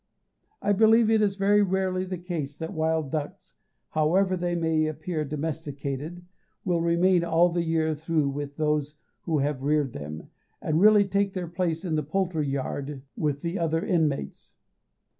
I believe it is very rarely the case that wild ducks, however they may appear domesticated, will remain all the year through with those who have reared them, and really take their place in the poultry yard with the other inmates.